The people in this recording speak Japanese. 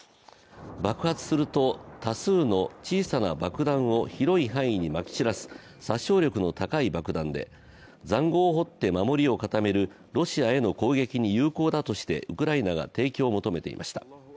爆発すると多数の小さな爆弾を広い範囲にまき散らす殺傷力の高い爆弾でざんごうを掘って守りを固めるロシアへの攻撃に有効だとしてウクライナが提供を求めていました。